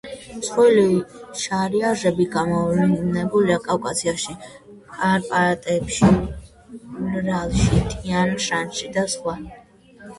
მსხვილი შარიაჟები გამოვლინებულია კავკასიაში, კარპატებში, ურალში, ტიან-შანში და სხვა.